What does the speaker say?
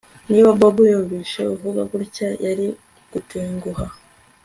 Niba Bobo yumvise uvuga gutya yari gutenguha